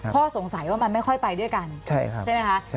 สงสัยว่ามันไม่ค่อยไปด้วยกันใช่ไหมคะ